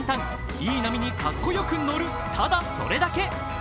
いい波にかっこよく乗る、ただそれだけ。